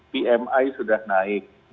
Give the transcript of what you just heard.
pmi sudah naik